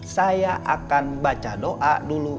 saya akan baca doa dulu